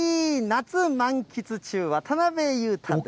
夏満喫中、渡辺裕太です。